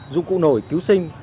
dùng cụ nổi cứu sinh